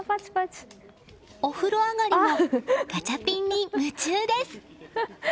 お風呂上がりもガチャピンに夢中です。